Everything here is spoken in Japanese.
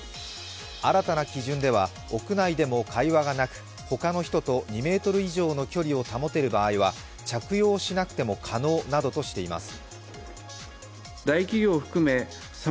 新たな基準では屋内でも会話がなく他の人と２ｍ以上の距離を保てる場合は着用しなくても可能などとしています。